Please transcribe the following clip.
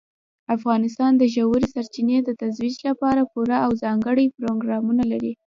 افغانستان د ژورې سرچینې د ترویج لپاره پوره او ځانګړي پروګرامونه لري.